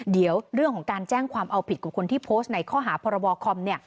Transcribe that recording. เดี๋ยวเรื่องของการแจ้งความเอาผิดกับคนที่โพสต์ในข้อหาพรบคอม